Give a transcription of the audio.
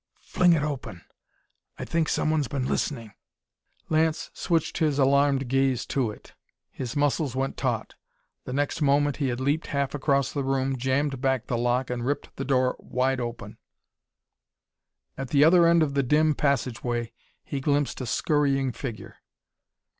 Fling it open! I think someone's been listening!_" Lance switched his alarmed gaze to it. His muscles went taut. The next moment he had leaped half across the room, jammed back the lock, and ripped the door wide. At the other end of the dim passageway he glimpsed a scurrying figure!